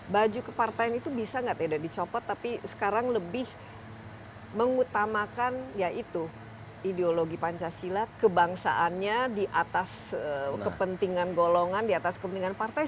baju kepartaian itu bisa nggak dicopot tapi sekarang lebih mengutamakan ya itu ideologi pancasila kebangsaannya di atas kepentingan golongan di atas kepentingan partai